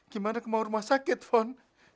gimana kamu mau rumah sakit fon